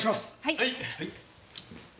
はい。